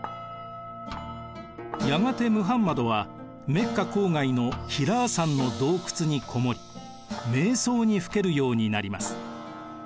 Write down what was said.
やがてムハンマドはメッカ郊外のヒラー山の洞窟にこもり瞑想にふけるようになります。